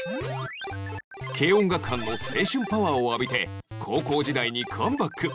軽音楽班の青春パワーを浴びて高校時代にカムバック